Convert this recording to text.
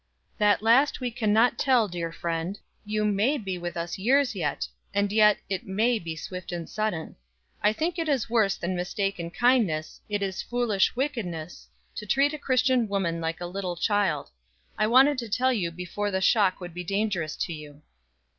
"That last we can not tell, dear friend. You may be with us years yet, and it may be swift and sudden. I think it is worse than mistaken kindness, it is foolish wickedness, to treat a Christian woman like a little child. I wanted to tell you before the shock would be dangerous to you."